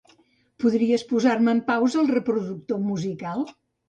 Podries posar-me en pausa el reproductor musical?